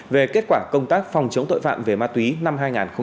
về kết quả công tác phòng chống tội phạm về ma túy năm hai nghìn hai mươi ba